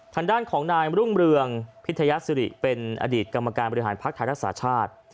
ฐานด้านของนายรุ่งเรืองพิทยาศิริเป็นอดีตกรรมการบริหารภักดิ์ภักดิ์ภาคศาสตร์ชาติ